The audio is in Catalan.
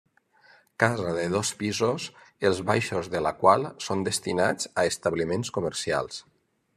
Casa de dos pisos, els baixos de la qual són destinats a establiments comercials.